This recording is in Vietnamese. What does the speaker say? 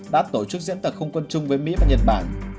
đã tổ chức diễn tập không quân chung với mỹ và nhật bản